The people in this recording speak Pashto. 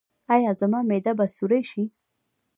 ایا زما معده به سورۍ شي؟